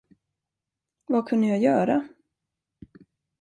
Vad kunde jag göra?